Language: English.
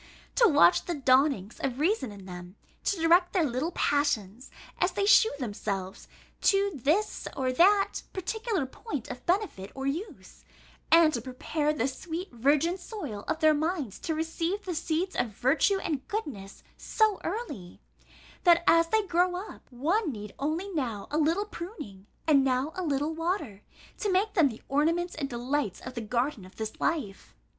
To watch the dawnings of reason in them, to direct their little passions, as they shew themselves, to this or that particular point of benefit or use; and to prepare the sweet virgin soil of their minds to receive the seeds of virtue and goodness so early, that, as they grow up, one need only now a little pruning, and now a little water, to make them the ornaments and delights of the garden of this life!